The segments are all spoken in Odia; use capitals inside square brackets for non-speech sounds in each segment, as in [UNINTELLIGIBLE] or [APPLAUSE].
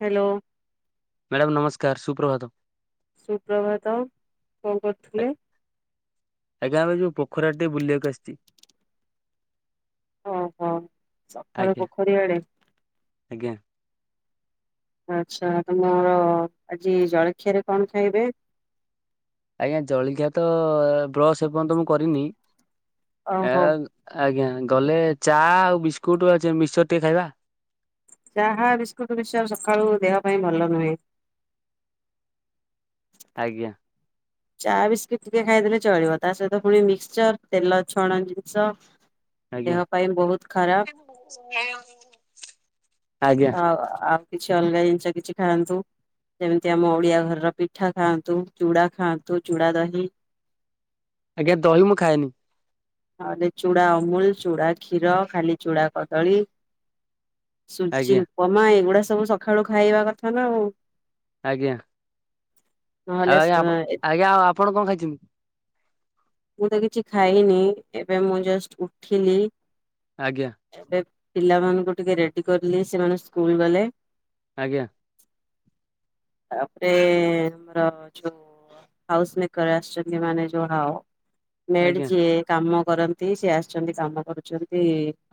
ହ୍ୟାଲୋ। ମ୍ୟାଡ଼ାମ ନମସ୍କାର ସୁପ୍ରଭାତ। ସୁପ୍ରଭାତ କଣ କରୁଥିଲେ? ଆଜ୍ଞା ଏ ଯୋଉ ପୋଖରୀ ଟିକେ ବୁଲିବାକୁ ଆସିଛି। ଓହୋ ସକାଳୁ ଆଜ୍ଞା ପୋଖରୀଆଡେ? ଆଜ୍ଞା। ଆଚ୍ଛା ତ ମୋର ଆଜି ଜଳଖିଆରେ କଣ ଖାଇବେ? ଆଜ୍ଞା ଜଳଖିଆ ତ ବ୍ରଶ ଏପର୍ଯ୍ୟନ୍ତ ମୁଁ କରିନି ଆ ଓହୋ ଆଜ୍ଞା ଗଲେ ଚା ଆଉ ବିସ୍କୁଟ ମିକ୍ସର ଟିକେ ଖାଇବା। ଚାହା ବିସ୍କୁଟ ବି ସବୁ ସକାଳୁ ଦେହ ପାଇଁ ଭଲ ନୁହେଁ। ଆଜ୍ଞା। ଚା ବିସ୍କିଟ ଟିକେ ଖାଇଦେଲେ ଚଳିବ ତା ସହିତ ପୁଣି ମିକ୍ସଚର ତେଲ ଛଣା ଜିନିଷ। ଆଜ୍ଞା ଦେହ ପାଇଁ ବହୁତ ଖରାପ। [UNINTELLIGIBLE] ଆଜ୍ଞା ଆଉ ଆଉ କିଛି ଅଲଗା ଜିନିଷ କିଛି ଖାଆନ୍ତୁ। ଯେମିତି ଆମ ଓଡିଆ ଘରର ପିଠା ଖାଆନ୍ତୁ, ଚୁଡ଼ା ଖାଆନ୍ତୁ, ଚୁଡ଼ା ଦହି। ଆଜ୍ଞା ଦହି ମୁଁ ଖାଏନି। ନହଲେ ଚୁଡ଼ା ଅମୁଲ, ଚୁଡ଼ା କ୍ଷୀର, ଖାଲି ଚୁଡ଼ା କଦଳୀ। ସୁଜି ଆଜ୍ଞା ଉପମା ଏଇଗୁଡା ସବୁ ସକାଳୁ ଖାଇବା କଥା ନା ଆଉ। ଆଜ୍ଞା। ଆଉ ନହେଲେ ସ ଆଜ୍ଞା ଆପ୍ ଆଜ୍ଞା ଆଉ ଆପଣ କଣ ଖାଇଛନ୍ତି। ମୁଁ ତ କିଛି ଖାଇନି। ଏବେ ମୁଁ ଜଷ୍ଟ ଉଠିଲି। ଆଜ୍ଞା। ଏବ୍ ପିଲାମାନଙ୍କୁ ଟିକେ ରେଡି କରଲିି ସେମାନେ ସ୍କୁଲ ଗଲେ। ଆଜ୍ଞା। ତାପରେ ଆମର ଯଉ ହାଉସ ମେକର ଆଶ୍ଚଛନ୍ତି ମାନେ ଯୋଡ଼ାଓ ମେଡ଼ ଆଜ୍ଞା ଯିଏ। କାମ କରନ୍ତି ସିଏ ଆସିଛନ୍ତି କାମ କରୁଚ଼ନ୍ତି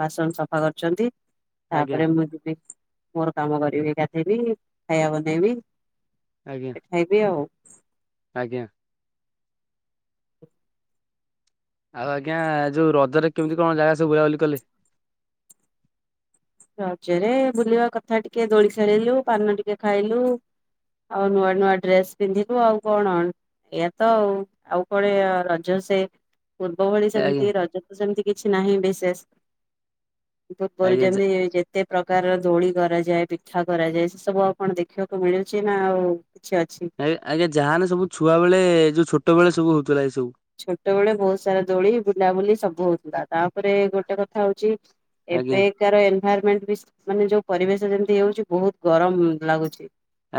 ବାସନ ସଫା କରୁଚ଼ନ୍ତି। ଆଜ୍ଞା ତାପରେ ମୁଁ ଯିବି ମୋର କାମ କରି ଗାଧେଇବି ଖାଇବା ବନେଇବି। ଆଜ୍ଞା। ଖାଇବି ଆଉ। ଆଜ୍ଞା। ଆଉ ଆଜ୍ଞା ଯୋଉ ରଜରେ କେମିତି କଣ ଜାଗା ସବୁ ବୁଲାବୁଲି କଲେ। ରଜରେ ବୁଲିବା କଥା ଟିକେ ଦୋଳି ଖେଳିଲୁ ପାନ ଟିକେ ଖାଇଲୁ। ଆଉ ନୂଆ ନୂଆ ଡ୍ରେସ ପିନ୍ଧିବୁ ଆଉ କଣ। ଏଇଆ ତ ଆଉ କଣେ ରଜ ସେ। ପୂର୍ବ ଭଳି ଆଜ୍ଞା ସେମିତି ରଜ ତ ସେମତି କିଛି ନାହିଁ ବିଶେଷ। ପୂର୍ବରୁ ଆଜ୍ଞା ଯେମିତି ଯେତେ ପ୍ରକାର ଦୋଳି କରାଯାଏ ପିଠା କରାଯାଏ। ସେ ସବୁ ଆଉ କଣ ଦେଖିବାକୁ ମିଳୁଚି ନା ଆଉ। ସେ ଅଛି। ଆ ଆଜ୍ଞା ଯାହାନେ ସବୁ ଛୁଆବେଳେ ଯୋଉ ଛୋଟ ବେଳେ ସବୁ ହଉଥିଲା ଏଇ ସବୁ। ଛୋଟ ବେଳେ ବହୁତ ସାରା ଦୋଳି ବୁଲାବୁଲି ସବୁ ହଉଥିଲାମ ତାପରେ ଗୋଟେ କଥା ହଉଚି ଆଜ୍ଞା ଏବେକାର ଏନଦ୍ଭାରମେଣ୍ଟ ବିସ୍‌ ମାନେ ଯୋଉ ପରିବେଶ ଯେମତି ଇଏ ହଉଚି ବହୁତ ଗରମ ଲାଗୁଛି।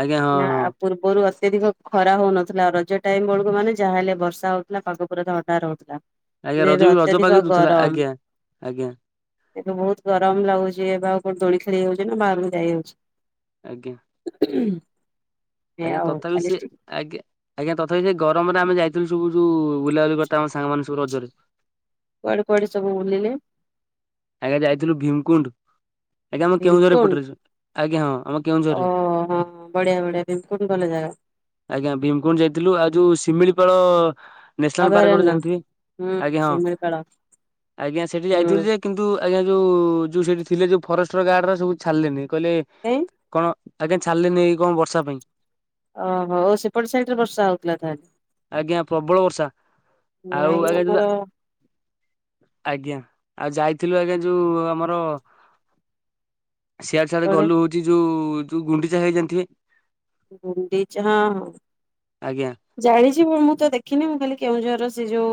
ଆଜ୍ଞା ହଁ ନା ହଁ ଆ ପୂର୍ବରୁ ଅତ୍ୟଧିକ ଖରା ହଉନଥିଲା। ରଜ ଟାଇମ ବେଳକୁ ମାନେ ଯାହା ହେଲେ ବର୍ଷା ହଉ ଥିଲା ପାଗ ପୁରା ଥଣ୍ଡା ରହୁଥିଲା, ଆଜ୍ଞା ଏ ରଜ ଏବେ ବି ରଜ ପାଗେଇ ଅତ୍ୟଧିକ ଦଉଥିଲା ଗରମ। ଆଜ୍ଞା। ଆଜ୍ଞା ଏବେ ବହୁତ ଗରମ ଲାଗୁଚି। ଏବେ ଆଉ କୋଉ ଦୋଳି ଖେଳି ହଉଚ଼ି ନା ବାହାରକୁ ଯାଇ ହଉଛି। ଆଜ୍ଞା। [UNINTELLIGIBLE] ଏଇଆ ଆଜ୍ଞା ଆଉ ତଥାପି ଖାଲି ସେଏ ଆଜ୍ଞା ଆଜ୍ଞା ତଥାପି ସେ ଗରମରେ ଆମେ ଯାଇଥିଲୁ ସବୁ। ଯୋଉ ବୁଲାବୁଲି କରିତେ ଆମ ସାଙ୍ଗ ମାନେ ସବୁ ରଜରେ। କୁଆଡେ କୁଆଡେ ସବୁ ବୁଲିଲେ। ଆଜ୍ଞା ଯାଇଥିଲୁ ଭୀମକୁଣ୍ଡ। ଆଜ୍ଞା ଆମ କେଉଁଝର ଏପଟରେ ସେ ଆଜ୍ଞା ହଁ। ଆମ କେଉଁଝରରେ ଓହୋ ବଢିଆ ବଢିଆ ଭିମ୍କୁଣ୍ଡ ଭଲ ଜାଗା। ଆଜ୍ଞା ଭୀମ୍କୁଣ୍ଡ ଯାଇଥିଲୁ ଆଉ ଯୋଉ ଶିମିଳିପାଳ ନ୍ୟାସନାଲ୍ ପାର୍କ ଗୋଟେ ଅଭୟାରଣ୍ୟ ଜାଣିଥିବେ। ହୁଁ ଆଜ୍ଞା ହଁ ଶିମିଳିପାଳ ଆଜ୍ଞା ହୁଁ ସେଟିଯାଇଥିଲୁ ଯେ କିନ୍ତୁ ଆଜ୍ଞା ଯୋଉ ଯୋଉ ସେଇଠି ଥିଲେ ଯୋଉ ଫରେଷ୍ଟର ଗାର୍ଡଉର ସବୁ ଛାଡ଼ିଲେନି କଇଲେ ଦେଇ। କଣ ଆଜ୍ଞା ଛାଡିଲେନି ଏଇ କଣ ବର୍ଷା ପାଇଁ। ଓହୋ ସେପଟେ ସାଇଟିରେ ବର୍ଷା ହଉଥିଲା ତାହେଲେ। ଆଜ୍ଞା ପ୍ରବ ପ୍ରବଳ ବର୍ଷା ଆଉ ନାଇଁ ଆଜ୍ଞା ଯୋଉ ଆମର ଯା ଆଜ୍ଞା ଆଉ ଯାଇ ଥିଲୁ ଆଜ୍ଞା ଯୋଉ ଆମର ସିଆଡ଼େ ସିଆଡେ କୁଆଡେ ଗଲୁ। ଏଠି ଯୋଉ ଯୋଉ ତୁ ଗୁଣ୍ଡିଚାହେଇଜାଣିଥିବେ। ଗୁଣ୍ଡିଚ ହଁ ହଁ। ଆଜ୍ଞା ଜାଇଛି ମୁଁ ତ ଦେଖିନି, ମୁଁ କଇଲି କେଉଁଝର ସେ ଯୋଉ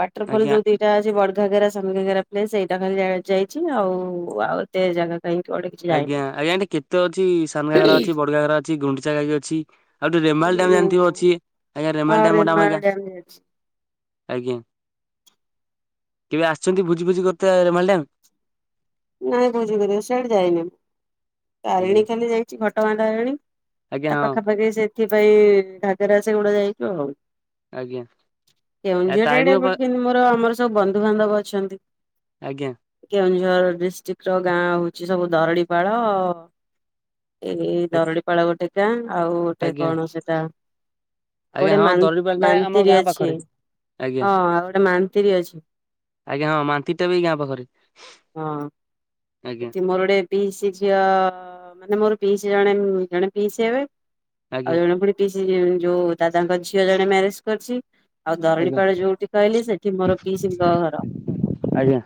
ୱାଟରଫଲ ଆଜ୍ଞା ଯୋଉ ଦି ସେଟା ଅଛି ବଡଘାଗେରା ସାନ ଘାଘେରା ପ୍ଲେସ୍ ସେଇଟା ଖାଲି ଯାଇଛି। ଆଉ ଆଉ ଏତେ ଜାଗା କାଇଁ ପଡେ଼କି ଆଜ୍ଞା। ଆଜ୍ଞା ଏଠି କେତେ ଅଛି, ସାନ ଘାଗରା ଅଛି, ବଡଘାଗରା ଅଛି, ଗୁଣ୍ଡିଚାଘାଇ ବି ଅଛି? ଆଉ ଏଠି ରେମାଲ ଡ୍ୟାମ୍ ଜାଣିଥିବ ଉଁ, ଅଛି? ଆଜ୍ଞା ଆଉ ରେମାଲ ଡ୍ୟାମ୍ ଗୋଟେ ଆମ ରେମାଳ ଗାଁ ଡ୍ୟାମ ଯାଇଛି ଆଜ୍ଞା। କେବେ ଆସିଛନ୍ତି ଭୋଜି ଫୋଜି କରିତେ ରେମାଲ ଡ୍ୟାମ? ନାଇଁ ଭୋଜି କରିବାକୁ ସିଆଡେ ଯାଇନି ମୁଁ। ତାରିଣୀ ଆଜ୍ଞା ଖାଲି ଯାଇଛି ଘଟଗାଁ ତାରିଣୀ ଆଜ୍ଞା ତା ହଁ ପାଖାପାଖି ସେଥିପାଇଁ ଘାଗରା ସେଗୁଡା ଯାଇଛୁ ଆଉ। ଆଜ୍ଞା ଆ କେଉଁଝର ଆଡ଼େ ତାରିଣୀ ପା ବଟ୍ କିନ୍ତୁ ମୋର ଆମର ସବୁ ବନ୍ଧୁବାନ୍ଧବ ଅଛନ୍ତି। ଆଜ୍ଞା। କେଉଁଝର ଡିଷ୍ଟ୍ରିକ୍ଟର ଗାଁ ହଉଛି ସବୁ ଦରଡିପାଳ ଏ-ଏଇ ଦରଡିପାଳ ଗୋଟେ ଗାଁ, ଆଉ ଗୋଟେ ଆଜ୍ଞା କଣ ସେଟା ଆଉ ଆଜ୍ଞା ଗୋଟେ ହଁ ମାନ ଦରଡିପାଳ ଟା ଆମ ମାନତିର ଗାଁ ଅଛି। ପାଖରେ ଆଜ୍ଞା ହଁ, ଆଉ ଗୋଟେ ମାନତିର ଅଛି। ଆଜ୍ଞା ହଁ, ମାନତିରଟା ବି ଏ ଗାଁ ପାଖରେ। ହଁ। ଆଜ୍ଞା ସେଠି ମୋର ଗୋଟେ ପିଇସି ଝିଅ, ମାନେ ମୋର ପିଇସି ଜଣେ ଜଣେ ପିଇସି ହେବେ ଆଜ୍ଞା ଆଉ ଜଣେ ପୁଣି ପିଇସି ଯେ-ଯୋଉ ଦାଦାଙ୍କ ଝିଅ ଜଣେ ମ୍ୟାରେଜ କରିଛି। ଆଉ ଆଜ୍ଞା ଦରିଡ଼ିପାଳ ଯୋଉଠି କହିଲି, ସେଠି ମୋର ପିଇସିଙ୍କ ଘର। ଆଜ୍ଞା।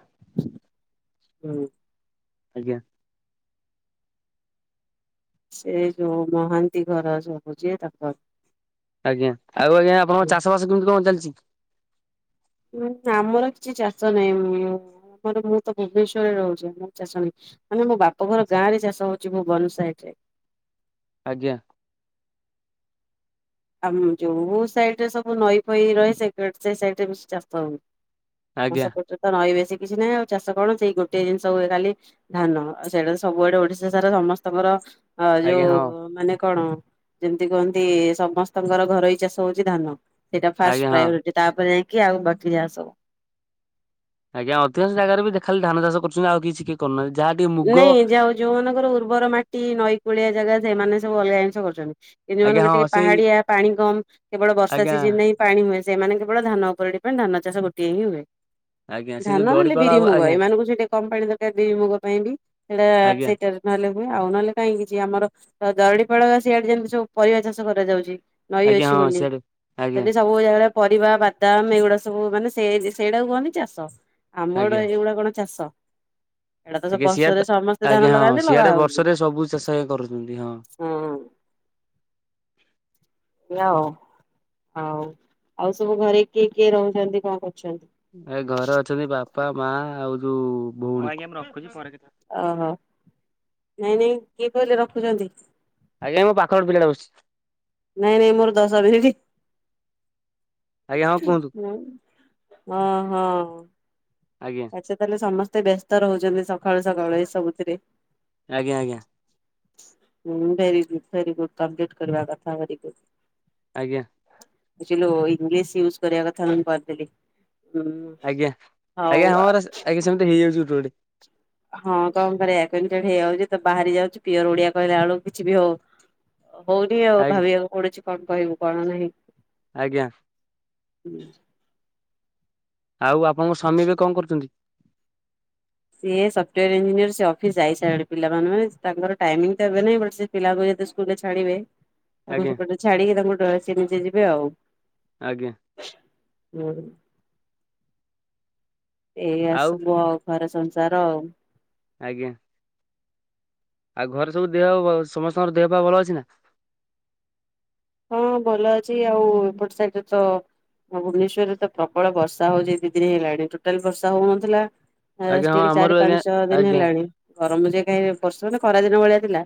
ହୁଁ। ଆଜ୍ଞା। ସେ ଯୋଉ ମହାନ୍ତି ଘର ସବୁ ଯିଏ ତାଙ୍କର। ଆଜ୍ଞା। ଆଉ ଆଜ୍ଞା ଆପଣଙ୍କ ଚାଷବାସ କେମିତି କଣ ଚାଲିଚି? ହୁଁ ଆମର କିଛି ଚାଷ ନାହିଁ, ଆମର ମୁଁ ତ ଭୁବନେଶ୍ବରରେ ରହୁଚି। ଆମର ଚାଷ ନାହିଁ। ମାନେ ମୋ ବାପଘର ଗାଁରେ ଚାଷ ହଉଛି, ଭୁବନ ସାଇଟରେ। ଆଜ୍ଞା। ଆମ ଯୋଉ ସାଇଡ଼ରେ ସବୁ ନଈ ପଇ ରହେ, ସେ କଡେ ସେ ସାଇଡ଼ରେ ବେଶୀ ଚାଷ ହୁଏ। ଆମ ଆଜ୍ଞା ସେପଟେ ତ ନଈ ବେଶୀ କିଛି ନାହିଁ ଆଉ ଚାଷ କଣ? ସେଇ ଗୋଟିଏ ଜିନିଷ ହୁଏ ଖାଲି ଧାନ। ଆଉ ସେଇଟା ତ ସବୁଆଡେ ଓଡିଶାସାରା ସମସ୍ତଙ୍କର ହ ଆଜ୍ଞା ଯୋଉ ହଁ ମାନେ କଣ ଯେମତି କୁହନ୍ତି ସମସ୍ତ ସ୍ତଙ୍କର ଘରୋଇ ଚାଷ ହଉଛି, ଧାନ। ସେଇଟା ଆଜ୍ଞା ଫାଷ୍ଟ ହଁ ପ୍ରାୟୋରିଟି ତାପରେ ଯାଇକି ଆଉ ବାକି ଯାହା ସବୁ। ଆଜ୍ଞା। ଅଧିକାଂଶ ଜାଗାରେ ବି ଦେ ଖାଲି ଧାନ ଚାଷ କରୁଚନ୍ତି ଆଉ କିଛି କେହି କରୁନାହାଁନ୍ତି। ଯାହା ଟିକେ ମୁ ନାଇଁ ଯାଉ ଯୋଉ ମାନଙ୍କର ଉର୍ବର ମାଟି, ନଈକୂଳିଆ ଜାଗା, ସେଇମାନେ ସବୁ ଅଲଗା ଜିନିଷ କରୁଛନ୍ତି। ଏ ଆଜ୍ଞା ଦିନମାନଙ୍କରେ ହଁ ଟିକେ ସେଇ ପାହାଡିଆ, ପାଣି କମ, କେବଳ ବର୍ଷା ଆଜ୍ଞା ସିଜିନ୍ ନେଇଁ ପାଣି ହୁଏ। ସେଇମାନେ କେବଳ ଧାନ ଉପରେ ଡିପେଣ୍ଡ, ଧାନ ଚାଷ ଗୋଟିଏ ହିଁ ହୁଏ। ଆଜ୍ଞା ସେ ଯୋଉ ଧାନ ହେଲେ ଦଡିପାଳ ବିରି, ଆଉ ମୁୁଗ। ଆଜ୍ଞା ଏମାନଙ୍କୁ ସେଠି ଟିକେ କମ୍ ପାଣି ଦରକାର ବିରି ମୁଗ ପାଇଁ ବି ସେଇଟା ଆଜ୍ଞା ସେ ରା ନହେଲେ ହୁଏ ଆଉ ନହେଲେ କାହିଁ କିଛି ଆମର ଦରଡିପାଳ ବା ସିଆଡେ ଯେମିତି ସବୁ ପରିବା ଚାଷ କରାଯାଉଛି ନଈ ଆଜ୍ଞା ଅଛି ହଁ ବୋଲି, ସିଆଡେ ଆଜ୍ଞା ସେଠି ସବ ବୁ ଜାଗାରେ ପରିବା, ବାଦାମ ଏଗୁଡା ସବୁ ମାନେ ସେଇ ସେଇଟାକୁ କହନ୍ତି ଚାଷ। ଆମ ଆଡୁ ଆଜ୍ଞା ଏଇଗୁଡା କଣ ଚାଷ? ଏଇଟା ଟିକେ ସିଆଡ ବର୍ଷରେ ତ ସମସ୍ତେ ଧାନ ଆଜ୍ଞା ହଁ। ଲଗାନ୍ତି ଲଗା ସିଆଡେ ହଉଛି। ବର୍ଷରେ ସବୁ ଚାଷ ଇଏ କରୁଛନ୍ତି ହଁ। ହଁ ହଁ। ଆଉ ହଉ। ଆଉ ସବୁ ଘରେ କିଏ କିଏ ରହୁଛନ୍ତି, କଣ କରୁଛନ୍ତି? ଏ ଘରେ ଅଛନ୍ତି ବାପା, ମା ଆଉ ଯୋଉ ଭଉଣୀ। ହଉ ଆଜ୍ଞା ମୁଁ ରଖୁଚି ପରେ କେତଳେ ଓହୋ। ନାଇଁ ନାଇଁ, କିଏ କହିଲେ ରଖୁଛନ୍ତି? ଆଜ୍ଞା ମୋ ପାଖରେ ଗୋଟେ ପିଲାଟା ବସିଛି। ନାଇଁରେ ମୋର ଦଶ ମିନିଟ ଆଜ୍ଞା ହଁ କୁହନ୍ତୁ ହଁ ହଁ। ଆଜ୍ଞା। ଆଚ୍ଛା ତାହେଲେ ସମସ୍ତେ ବ୍ୟସ୍ତ ରହୁଛନ୍ତି, ସଖାଳୁ ସକାଳୁ ଏଇ ସବୁଥିରେ? ଆଜ୍ଞା ଆଜ୍ଞା। ହଁ very good very good. Complete କରିବା କଥା, ଭେରି ଗୁଡ଼। ଆଜ୍ଞା। ବୁଝିଲୁ ଇଂସି ୟୁଜ କରିବା କଥା ମୁଁ କରିଦଲି ଉଁ ଆଜ୍ଞା ଆଜ୍ଞା ହଁ ପରା ଆଜ୍ଞା ସେମତି ହେଇଯାଉଛି ଗୋଟେ ଗୋଟେ। ହଁ କଣ କରିଆ କେମି ଚ ହେଇଯାଉଛି ତ ବାହାରି ଯାଉଛି। ପିଓର ଓଡିଆ କହିଲା ବେଳକୁ କିଛି ବି ହଉ ହଉନି ଆଉ ଆଜ୍ଞା ଭାବିବାକୁ ପଡୁଛି କଣ କହିବୁ କଣ ନାହିଁ। ଆଜ୍ଞା। ହୁଁ। ଆଉ ଆପଣଙ୍କ ସ୍ୱାମୀ ଏବେ କଣ କରୁଛନ୍ତି। ସିଏ ସଫ୍ଟୱୟାର ଇଞ୍ଜିନିୟର ସେ ଅଫିସ ଯାଇ ସାରିବଣି। ପିଲାମାନେ ତାଙ୍କର ଟାଇମିଂ ଟା ଏବେ ନାଇ ପିଲାକୁ ଯଦି ସ୍କୁଲ ରେ ଛାଡିବେ? ତାକୁ ଆଜ୍ଞା ସେପଟେ ଛାଡିକି ତାଙ୍କୁ ଡ ସ ନିଜେ ଯିବେ ଆଉ ଆଜ୍ଞା ହୁଁ। ଏଇଆ ସବୁ ଆଉ ଘରେ ସଂସାର ଆଉ। ଆଜ୍ଞା। ଆଉ ଘରେ ସବୁ ଦେହ ସମସ୍ତଙ୍କର ଦେହ ପା ଭଲ ଅଛି ନା ହଁ ଭଲ ଅଛି ଆଉ ଏପଟେ ସାଇଟରେ ତ ହଁ ଭୁବନେଶ୍ୱରରେ ତ ପ୍ରବଳ ବର୍ଷା ହଉଛି। ଦି ଦିନ ହେଲାଣି ଟୋଟାଲ ବର୍ଷା ହଉନଥିଲା। ଆଜ୍ଞା ହଁ ଷ୍ଟିଲ୍ ଆମର ଚାରି ଆଜ୍ଞା ପାଞ୍ଚ ଦିନ ଆଜ୍ଞା ହେଲାଣି। ଗରମ ଯେ କାହିଁ ବର୍ଷ ମାନେ ଖରାଦିନ ଭଳିଆ ଥିଲା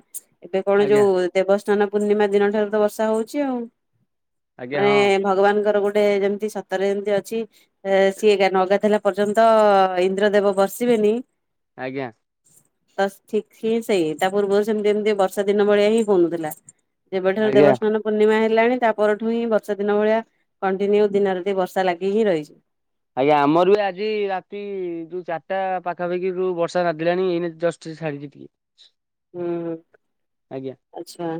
ଏବେ କଣ ଆଜ୍ଞା ଯୋଉ ଦେବସ୍ନାନ ପୂର୍ଣ୍ଣିମା ଦିନ ଠାରୁ ତ ବର୍ଷା ହଉଛି ଆଉ ଆଜ୍ଞା ମାନେ ହଁ ଭଗବାନଙ୍କର ଗୋଟେ ଯେମିତି ସତରେ ଯେମିତି ଅଛି ସିଏ ନ ଗାଧେଇଲା ପର୍ଯ୍ୟନ୍ତ ଇନ୍ଦ୍ର ଦେବ ବର୍ସିବେନି ଆଜ୍ଞା। ତ ଠିକ୍ ସ ସେଇ ତା ପୂର୍ବରୁ ସେମିତି ଏମିତି ବର୍ଷା ଦିନ ଭଳିଆ ହିଁ ହଉନଥିଲା। ଯେବେଠାରୁ ଆଜ୍ଞା ଦେବସ୍ନାନ ପୂର୍ଣ୍ଣିମା ହେଲାଣି ତା ପରଠୁ ହିଁ ବର୍ଷା ଦିନ ଭଳିଆ କଣ୍ଟିନ୍ୟୁ ଦିନ ରାତି ବର୍ଷା ଲାଗି ହିଁ ରହିଛି। ଆଜ୍ଞା ଆମର ବି ଆଜି ରାତି ଯୋଉ ଚାରିଟା ପାଖାପାଖିରୁ ଯୋଉ ବର୍ଷା ରାଧିଲାଣି ଏଇନ ଜଷ୍ଟ ଛାଡିଛି ଟିକେ। ହୁଁ ଆଜ୍ଞା ଆଚ୍ଛା।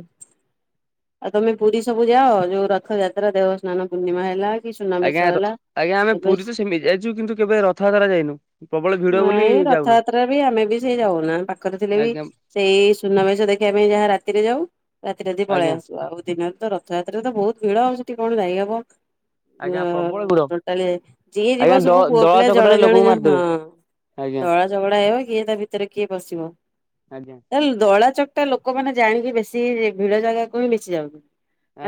ଆଉ ତମେ ପୁରୀ ସବୁ ଯାଅ ଯୋଉ ରଥଯାତ୍ରା ଦେହସ୍ନାନ ପୂର୍ଣ୍ଣିମା ହେଲା। କି ସୁନାବେଶ ଆଜ୍ଞା ର ହେଲା ଆଜ୍ଞା ଏବେ ପୁରୀ ତ ସେମିତି ଯାଇଛୁ କିନ୍ତୁ କେବେ ରଥଯାତ୍ରା ଯାଇନୁ। ପ୍ରବଳ ଭିଡ ବୋଲି ନାଇଁ ଯାଉନା ରଥଯାତ୍ରା ବି ଆମେ ବି ସେଇ ଯାଉନା ପାଖରେ ଥିଲେ ବି ଆଜ୍ଞା ସେଇ ସୁନାବେେଶ ଦେ ମ ଯାହା ରାତିରେ ଯାଉ ରାତି ରାତି ପଳେଇ ଆଜ୍ଞା ଆସୁ। ଆଉ ଦିନରେ ତ ରଥଯାତ୍ରାରେ ତ ବହୁତ ଭିଡ ଆଉ ସେଠି କଣ ଯାଇହବ। ଓ ଆଜ୍ଞା ପ୍ରବଳ ଭିଡ ଟୋଟାଲି ଯିଏ ଆଜ୍ଞା ଯିବ ଦ ସବୁ ପୁଅ ଦଳା ପିଲା ଚକଟାରେ ଜଣେ ଲୋକଙ୍କୁ ଜଣେ ମାରିଦେବେ। ହଁ। ଆଜ୍ଞା ଧଳା ଝଗଡା ହେବ କିଏ ତା ଭିତରେ କିଏ ପଶିବ। ଆଜ୍ଞା ଦଳା ଚକ ଟା ଲୋକମାନେ ଜାଇିକି ବେଶୀ ଭିଡ ଜାଗାକୁ ହିଁ ବେଶି ଯାଉଛନ୍ତି।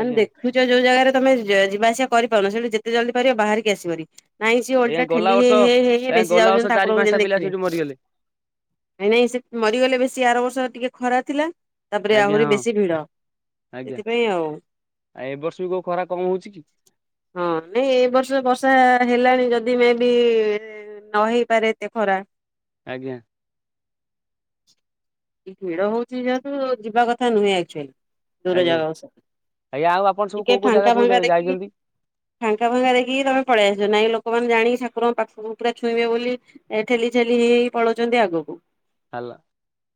ମାନେ ଦେଖ ଦେଖୁଚ ଯୋଉ ଜାଗାରେ ତମେ ଯିବାଆସିବା କରିପାରୁନ, ସେଠ ଯେତେ ଜଲଦି ପାରିବ ବାହାରକି ଆସିବ ହେରି। ନାଇଁ ସିଏ ଆଜ୍ଞା ଓଲ୍ଟା ଗଲା ଠେଲି ହେ ବର୍ଷ ହେଇ ହେ ହେ ଆଜ୍ଞା ବେଶୀ ଗଲା ବର୍ଷ ଯାଉଛନ୍ତି ଚାରି ଠାରକୁ ପାଞ୍ଚଟା ଯେନ୍ତି ପିଲା ଦେଖିବେ। ସେଇଠୁ ମରିଗଲେ ନାଇଁ ନାଇଁ ସେ ମରିଗଲେ ବେଶୀ ଆର ବର୍ଷ ଟିକେ ଖରା ଥିଲା ତାପରେ ଆଜ୍ଞା ଆହୁରି ହଁ ବେଶୀ ଭିଡ। ଆଜ୍ଞା ସେଥିପାଇଁ ଆଉ ଆଉ ଏ ବର୍ଷ ବି କୋଉ ଖରା କମ ହଉଛି କି। ହଁ ନାଇଁ ଏ ବର୍ଷ ବର୍ଷା ହେଲାଣି ଯଦି ମେ ବି ନ ହେଇପାରେ ଏତେ ଖରା। ଆଜ୍ଞା। ଭିଡ ହଉଛି ଯେହେତୁ ଯିବା କଥା ନୁହେଁ ଆକ୍ଚୁଆଲି। ଦୂର ଆଜ୍ଞା ଜାଗାକୁ ସ ଆଜ୍ଞା ଆଉ ଆପଣ ସବୁ କୋଉ ଟିକେ କୋଉ ଜାଗା ଫାଙ୍କା ସବୁ ଯା ଫାଙ୍କା ଦେଖିକି ଯାଇଛନ୍ତି ଫାଙ୍କା ଫାଙ୍କା ଦେଖିକି ତମେ ପଳେଇ ଆସିବ ନାଇଁ ଲୋକମାନେ ଜାଣିକି ଠକୁରଙ୍କ ପାଖ ପୁରା ଛଇଁବେ ବୋଲି ଏ ଠେଲି ଠେଲି ହେଇ ହେଇ ପଳଉଛନ୍ତି ଆଗକୁ। Hello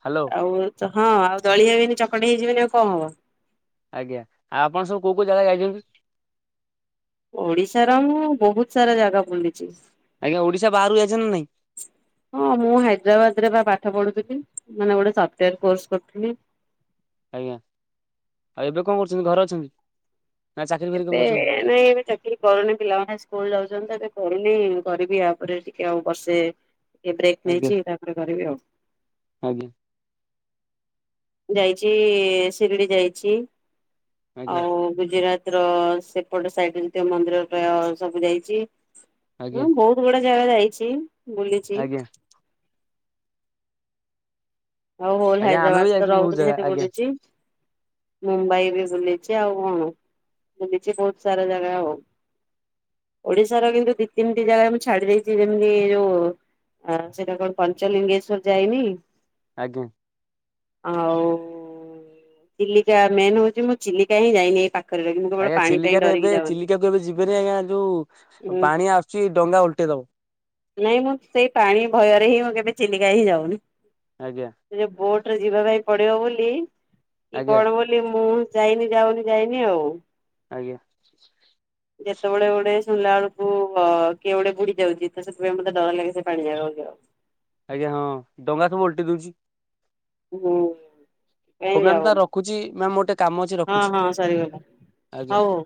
hello. ଆଉ ହଁ ଆଉ ଦଳି ହେଇବନି ଚକଟ ହେଇଯିବନି ଆଉ କଣ ହବ। ଆଜ୍ଞା ଆଉପଣ ସୁ କଉ କୋଉ ଜାଗା ଯାଇଛନ୍ତି? ଓଡିଶାର ମୁଁ ବହୁତ ସାରା ଜାଗା ବୁଲିଛି। ଆଜ୍ଞା, ଓଡିଶା ବାହରକକୁ ଯାଇଛନ୍ତି ନା ନାହିଁ? ହଁ ମୁଁ ହାଇଦ୍ରାବାଦରେ ବା ପାଠ ପଢୁଥିଲି ମାନେ ଗୋଟେ ସଫ୍ଟୱେର କୋର୍ସ କରୁଥିଲି। ଆଜ୍ଞା, ଆଉ ଏବେ କଣ କରୁଛନ୍ତି? ଘରେ ଅଛନ୍ତି? ନା ଚାକିରି ଫାକିରି କଣ ଏବେ କରୁଛନ୍ତି? ନାଇଁ ଏବେ ଚ କି କିଛି କରୁନି ପିଲାମାନେ ସ୍କୁଲ ଯାଉଛନ୍ତି ଏବେ ପଢନି କରିବି ପରେ ଟିକେ ଆଉ ବର୍ଷେ ଏ ବ୍ରେକ୍ ଆଜ୍ଞା ନେଇଛି ତାପରେ କରିବି ଆଉ। ଆଜ୍ଞା। ଯାଇଛି ଶିରିଡି ଯାଇଛି ଆଜ୍ଞା ଆଉ ଗୁଜୁରତର ସେପଟ ସାଇଟର ଯେତେକ ମନ୍ଦିର ଟା ସବୁ ଯାଇଛି ଆଜ୍ଞା ହଁ ବହୁତ କ ଗୁଡେ ଜାଗା ଯାଇଛି, ବୁଲିଛି। ଆଜ୍ଞା ହଉ ହୋଲ ଆଜ୍ଞା ଆମେ ବି ହାଇଦ୍ରାବାଦ ତ ଯାଇଛୁ ବହୁତ ରହୁଥିଲି ଜାଗା ସେଠି ଆଜ୍ଞା ବୁଲିଚି। ମୁମ୍ବାଇ ବି ବୁଲିଛି ଆଉ କଣ ବୁଲିଛି ବହୁତ ସାରା ଜାଗା ଆଉ। ଓଡିଶାର କିନ୍ତୁ ଦି ତିନିଟି ଜାଗା ମୁଁ ଛାଡି ଦେଇଛି ଯେମିତି ଯୋଉ ଆ ସେଇଟା କଣ ପଞ୍ଚଲିଙ୍ଗେଶ୍ଵର ଯାଇନି। ଆଜ୍ଞ। ଆଉ। ଚିଲିକା ମେନ ହଉଛି ମୁଁ ଚିଲିକା ହିଁ ଯାଇନି ଏଇ ପାଖ ଆଜ୍ଞା, ଚିଲିକାରେ ଏବେ ଚିଲିକାକୁ ଏବେ ଯିବେନି। ଆଜ୍ଞା ଯୋଉ ହୁଁ ପାଣି ଆସୁଛି ଡଙ୍ଗା ଉଲଟେଇ ଦବ। ନାଇଁ ମୁଁ ସେଇ ପାଣି ଭୟରେ ହିଁ ମୁଁ କେବେ ଚିଲିକା ହିଁ ଯାଉନି। ଆଜ୍ଞା। ସେ ଯେ ବୋଟରେ ଯିବା ପାଇଁ ପଡିବ ବୋଲି କି ଆଜ୍ଞା କଣ ବୋଲି ମୁଁ ଯାଇନି ଯାଉନି ଯାଇନି ଆଉ। ଆଜ୍ଞା। ଯେତେବେଳେ ଗୋଟେ ଶୁଣିଲା ବେଳକୁ କିଏ ଗୋଟେ ବୁଡିଯାଉଛି ତ ସେଥିପାଇଁ ମତେ ଡର ଲାଗେ ସେ ପାଣି ଜାଗାକୁ। ଆଜ୍ଞା ହଁ, ଡଙ୍ଗା ସବୁ ଓଲଟି ଦଉଛି। ହୁଁ। ହଉ ମ୍ୟାାମ ଯାଉ ତାହେଲେ ରଖୁଛି ମ୍ୟାାମ ମୋର ଟିକେ କାମ ଅଛି ହଁ ରଖୁଛି ହଁ ସରିଗଲା ଆଜ୍ଞା। ହଉ ହଉ।